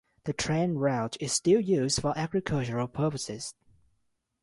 The train route is still used for agricultural purposes.